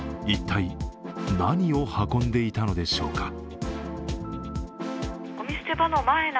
一体、何を運んでいたのでしょうか。